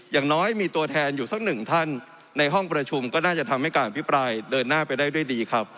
อย่างน้อยมีตัวแทนอยู่สักหนึ่งท่านในห้องประชุมก็น่าจะทำให้การอภิปรายเดินหน้าไปได้ด้วยดีครับ